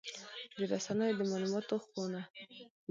د رسنیو د مالوماتو خونه